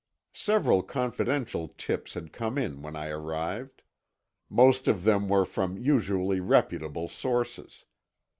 Several confidential tips had come in when I arrived. Most of them were from usually reputable sources.